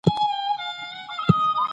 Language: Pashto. دوی وویل چې موږ باید نوي نښې جوړې کړو.